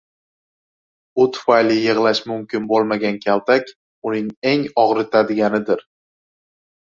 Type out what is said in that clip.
U tufayli yig‘lash mumkin bo‘lmagan kaltak uning eng og‘ritadiganidir